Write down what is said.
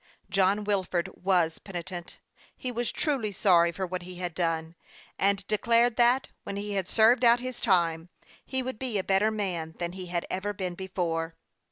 John Wilford was penitent ; he was truly sorry for what he had done, and declared that, when he had served out his time, he would be a better man than he had ever been before.